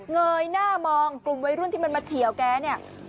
เงยหน้ามองกลุ่มวัยรุ่นที่มันมาเฉียวแกเนี่ย